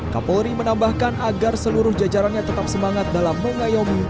kapolri menambahkan agar seluruh jajarannya tetap semangat dalam mengayomi